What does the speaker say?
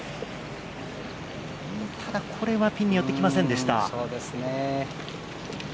これはピンに寄ってきませんでした。